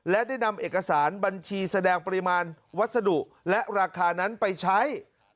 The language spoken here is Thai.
และได้นำเอกสารบัญชีแสดงปริมาณวัสดุและราคานั้นไปใช้